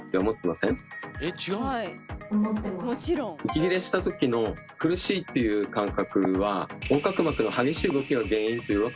息切れしたときの「苦しい」っていう感覚は横隔膜の激しい動きが原因というわけではないんです。